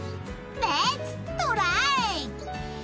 レッツトライ！